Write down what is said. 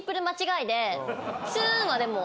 ツーンはでも。